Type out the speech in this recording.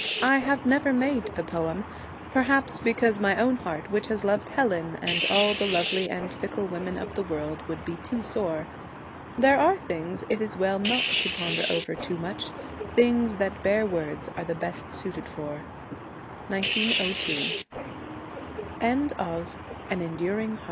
I have never made the poem, perhaps because my own heart, which has loved Helen and all the lovely and fickle women of the world, would be too sore. There are things it is well not to ponder over too much, things that bare words are the best